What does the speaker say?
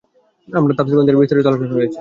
আমার তাফসীর গ্রন্থে এর বিস্তারিত আলোচনা রয়েছে।